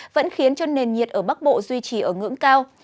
vẫn khiến cho nền nhiệt ở bắc bộ duy trì ở ngưỡng cao